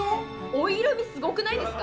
お色みすごくないですか？